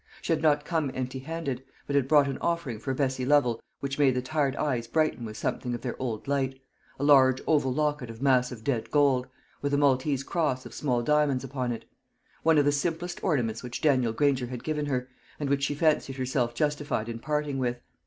She had not come empty handed, but had brought an offering for Bessie Lovel which made the tired eyes brighten with something of their old light a large oval locket of massive dead gold, with a maltese cross of small diamonds upon it; one of the simplest ornaments which Daniel Granger had given her, and which she fancied herself justified in parting with.